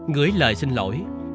ngưới lời xin lỗi